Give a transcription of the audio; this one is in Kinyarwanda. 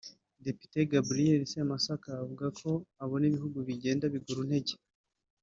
Depite Gabriel Semasaka yavuze ko abona ibihugu bigenda biguru ntege